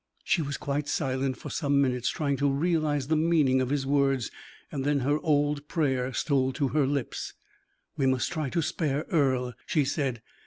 She was quite silent for some minutes, trying to realize the meaning of his words; then her old prayer stole to her lips: "We must try to spare Earle," she said.